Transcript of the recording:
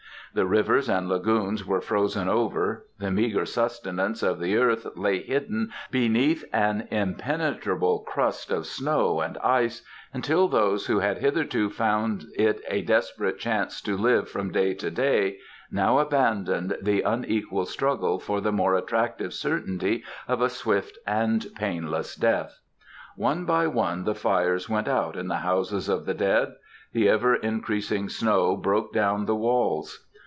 The rivers and lagoons were frozen over; the meagre sustenance of the earth lay hidden beneath an impenetrable crust of snow and ice, until those who had hitherto found it a desperate chance to live from day to day now abandoned the unequal struggle for the more attractive certainty of a swift and painless death. One by one the fires went out in the houses of the dead; the ever increasing snow broke down the walls.